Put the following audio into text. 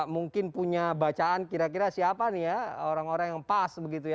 mungkin punya bacaan kira kira siapa nih ya orang orang yang pas begitu ya